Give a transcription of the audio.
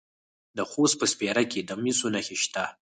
د خوست په سپیره کې د مسو نښې شته.